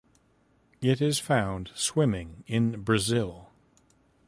It is found swimming in Brazil.